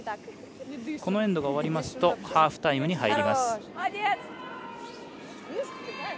このエンドが終わるとハーフタイムに入ります。